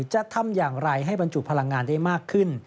จะทำอย่างไรให้บรรจุพลังงานได้มากขึ้น